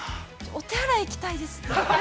◆お手洗い行きたいです。